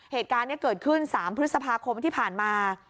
เหตุการณ์นี้เกิดขึ้น๓พฤษภาคมที่ผ่านมา